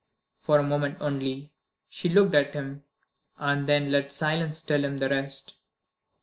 For a moment only, she looked at him and then let silence tell him the rest.